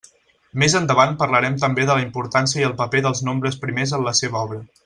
Més endavant parlarem també de la importància i el paper dels nombres primers en la seva obra.